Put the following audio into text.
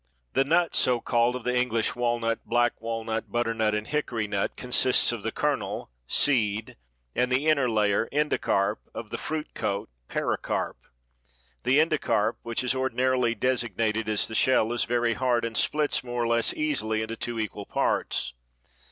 The nut so called of the English walnut, black walnut, butternut and hickory nut consists of the kernel (seed) and the inner layer (endocarp) of the fruit coat (pericarp). The endocarp, which is ordinarily designated as the shell, is very hard and splits more or less easily into two equal parts.